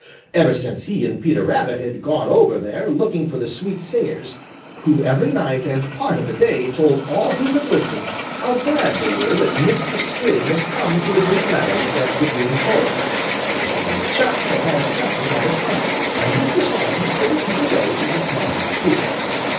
Ever since he and Peter Rabbit had gone over there looking for the sweet singers, who every night and part of the day told all who would listen how glad they were that Mistress Spring had come to the Green Meadows and the Green Forest, Johnny Chuck had had something on his mind. And this is why he couldn't keep away from the Smiling Pool.